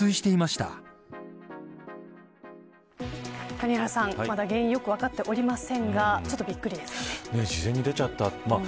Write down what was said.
谷原さん、まだ原因はよく分かっておりませんが事前に出ちゃった。